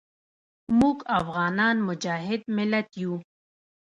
موږ افغانان مجاهد ملت یو.